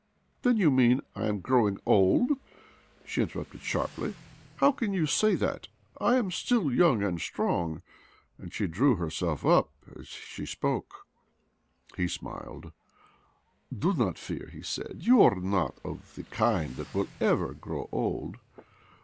" Then you mean that I am growing old ?" she interrupted sharply. " How can you say 17 2S8 OBLOMOV that? I am still young and strong." And she drew herself up as she spoke. He smiled. " Do not fear," he said. " You are not of the kind that will ever grow old.